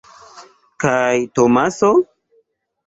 Kaj Tomaso?